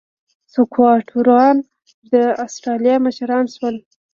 سکواټوران د اسټرالیا مشران شول.